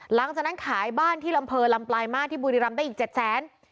หลังจากนั้นขายบ้านที่อำเภอลำปลายมาสที่บุรีรำได้อีก๗แสน